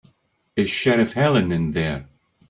Is Sheriff Helen in there?